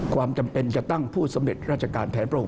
ความจำเป็นจะตั้งผู้สำเร็จราชการแทนพระองค์